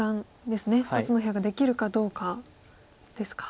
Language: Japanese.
２つの部屋ができるかどうかですか。